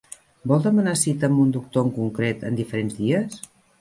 Vol demanar cita amb un doctor en concret en diferents dies?